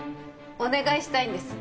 お願いしたいんです